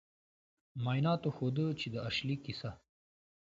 معایناتو ښوده چې د اشلي کیسه